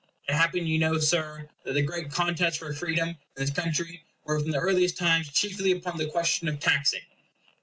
It happened, you know, Sir, that the great contests for freedom in this country were from the earliest times chiefly upon the question of taxing.